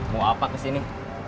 mau apa kesini